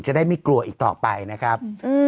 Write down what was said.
จะได้ไม่กลัวอีกต่อไปนะครับ